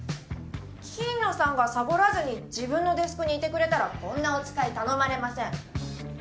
金野さんがサボらずに自分のデスクにいてくれたらこんなお使い頼まれません。